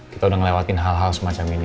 kita udah ngelewatin hal hal semacam ini